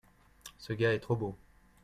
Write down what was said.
ce gars est trop beau.